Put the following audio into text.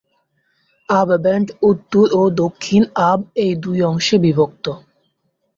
আব ব্যান্ড উত্তর ও দক্ষিণ আব এই দুই অংশে বিভক্ত।